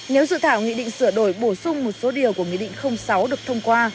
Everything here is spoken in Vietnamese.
nếu dự thảo nghị định sửa đổi bổ sung một số điều của nghị định sáu được thông qua